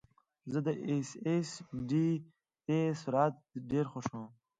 زه د ایس ایس ډي سرعت ډېر خوښوم.